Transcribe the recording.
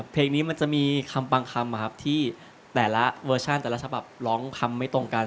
เพลงนี้มันจะมีคำบางคำที่แต่ละเวอร์ชันแต่ละฉบับร้องคำไม่ตรงกัน